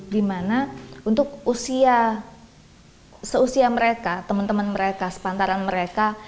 dimana untuk usia seusia mereka teman teman mereka sepantaran mereka